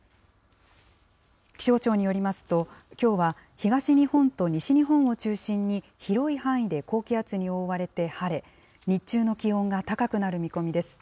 気象庁によりますと、きょうは東日本と西日本を中心に広い範囲で高気圧に覆われて晴れ、日中の気温が高くなる見込みです。